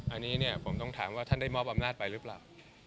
อันนี้เนี่ยผมต้องถามว่าท่านได้มอบอำนาจไปหรือเปล่า